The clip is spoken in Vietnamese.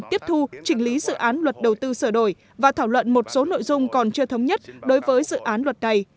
tiếp thu chỉnh lý dự án luật đầu tư sửa đổi và thảo luận một số nội dung còn chưa thống nhất đối với dự án luật này